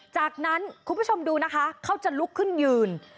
จากนั้นคุณผู้ชมดูนะคะเขาจะลุกขึ้นยืน